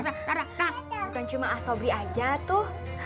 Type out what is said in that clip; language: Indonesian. bukan cuma a sobri aja tuh